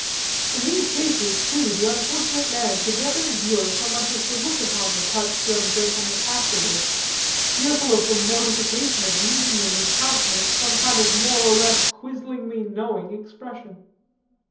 In these cases, too, the unfortunate man could never endure so much as to look upon the touched young gentleman afterwards, fearful of the mortification of meeting in his countenance some kind of more or less quizzingly knowing expression.